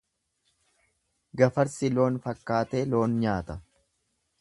Gafarsi loon fakkaatee loon nyaata.